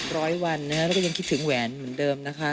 ร้อยวันนะครับแล้วก็ยังคิดถึงแหวนเหมือนเดิมนะคะ